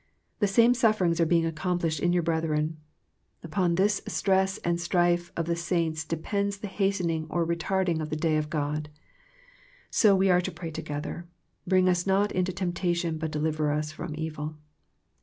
The same sufferings are being accomplished in your breth ren. Upon this stress and strife of the saints de pends the hastening or retarding of the Day of God. So we are to pray together " Bring us not into temptation, but deliver us from evil."